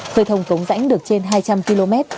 khơi thông cống rãnh được trên hai trăm linh km